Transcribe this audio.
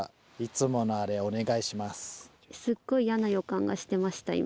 すっごい嫌な予感がしてました今。